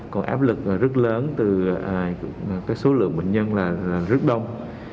còn áp lực rất lớn từ số lượng bệnh nhân là rất đông